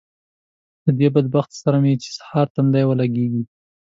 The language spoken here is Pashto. له دې بدبخت سره مې چې سهار تندی ولګېږي